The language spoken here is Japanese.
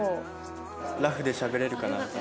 ラフでしゃべれるかなと。